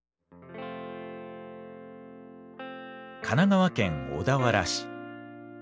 神奈川県小田原市。